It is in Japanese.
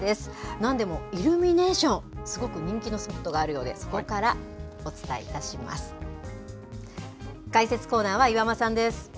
なんでも、イルミネーション、すごく人気のスポットがあるようで、そこからお伝えいたします。